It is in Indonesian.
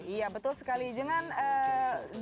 iya betul sekali